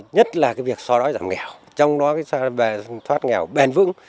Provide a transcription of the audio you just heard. nhất là cái việc so đói giảm nghèo trong đó cái so đói thoát nghèo bền vững